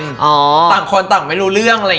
ต่างคนต่างไม่รู้เรื่อง